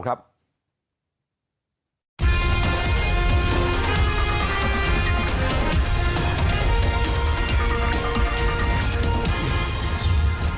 โปรดติดตามตอนต่อไป